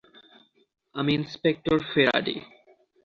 আমি inspector Faraday.